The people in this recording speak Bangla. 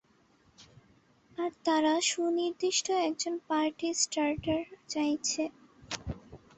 আর তারা সুনির্দিষ্ট একজন পার্টি স্টার্টার চাইছে।